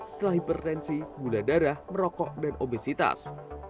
setelah hipertensi gula darah merokok dan obesitas